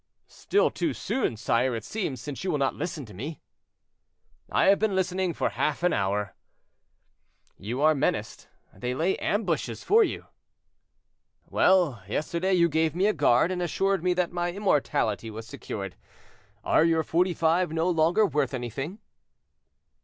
"Still too soon, sire, it seems, since you will not listen to me." "I have been listening for half an hour." "You are menaced—they lay ambushes for you." "Well, yesterday you gave me a guard, and assured me that my immortality was secured. Are your Forty five no longer worth anything?"